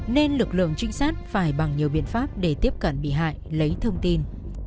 nên lực lượng trinh sát phải bằng nhiều biện pháp để tiếp cận bị hại lấy thông tin